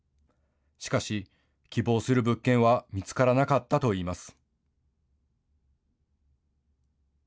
しかし、希望する物件は見つからなかったといいます。